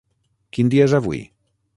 Quin dia és avui?